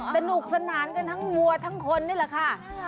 สนุกสนานกันทั้งวัวทั้งคนนี่แหละค่ะ